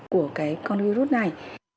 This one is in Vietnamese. của cái con virus này